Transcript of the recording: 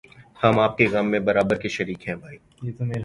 ہم آپ کے غم میں برابر کے شریک ہیں بھائی